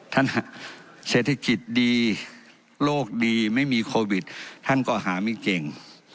เศรษฐกิจดีโลกดีไม่มีโควิดท่านก็หาไม่เก่ง